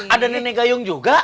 ada nenek gayung juga